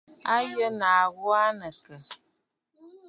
A yə nàa ghu aa nɨ àkə̀?